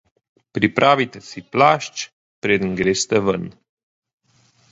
Pripravite si plašč preden greste ven.